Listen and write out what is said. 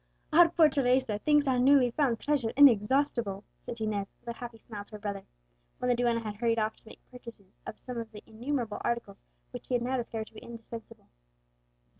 "Our poor Teresa thinks our newly found treasure inexhaustible," said Inez with a happy smile to her brother, when the duenna had hurried off to make purchases of some of the innumerable articles which she had now discovered to be indispensable.